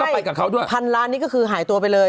ก็เลือกว่าพอได้พันล้านนี้ก็จะหายตัวไปเลย